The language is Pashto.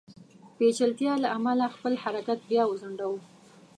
پېچلتیا له امله خپل حرکت بیا وځنډاوه.